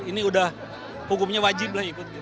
ini udah hukumnya wajib lah ikut gitu